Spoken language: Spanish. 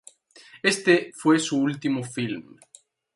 Éste fue su último film.